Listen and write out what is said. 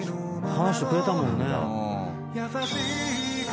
話してくれたもんね。